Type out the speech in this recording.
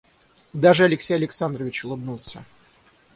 Даже Алексей Александрович улыбнулся.